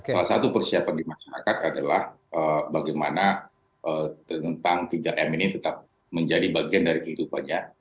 salah satu persiapan di masyarakat adalah bagaimana tentang tiga m ini tetap menjadi bagian dari kehidupannya